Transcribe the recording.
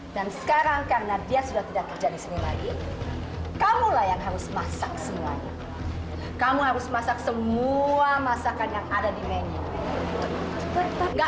harusnya pesta ini diadainan pesta buat gue